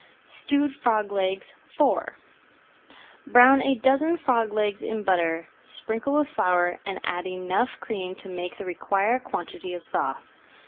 STEWED FROG LEGS IV Brown a dozen frog legs in butter, sprinkle with flour, and add enough cream to make the required quantity of sauce.